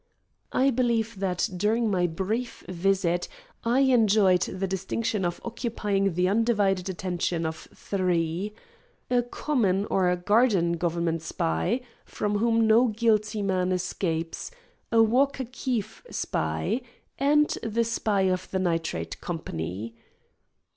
I believe that during my brief visit I enjoyed the distinction of occupying the undivided attention of three: a common or garden Government spy, from whom no guilty man escapes, a Walker Keefe spy, and the spy of the Nitrate Company.